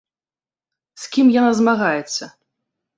З кім яна змагаецца?